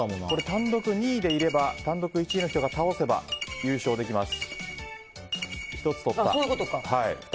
単独２位でいれば単独１位の人が倒せば優勝できます。